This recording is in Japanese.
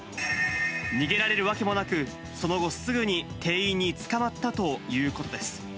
逃げられるわけもなく、その後、すぐに店員に捕まったということです。